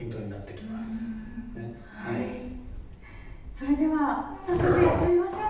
それでは早速やってみましょう。